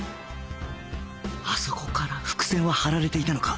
あそこから伏線を張られていたのか